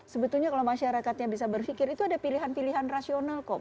sebetulnya kalau masyarakatnya bisa berpikir itu ada pilihan pilihan rasional kok